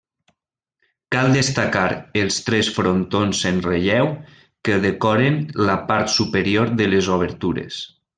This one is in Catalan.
Cal destacar els tres frontons en relleu, que decoren la part superior de les obertures.